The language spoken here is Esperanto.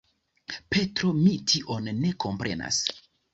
Petro, mi tion ne komprenas!